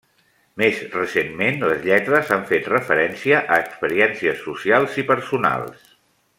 Més recentment, les lletres han fet referència a experiències socials i personals.